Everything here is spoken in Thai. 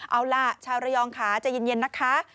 เอาล่ะชาวระยองค่ะใจเย็นนะคะ